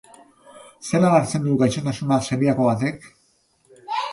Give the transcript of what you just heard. Zelan hartzen du gaixotasuna zeliako batek?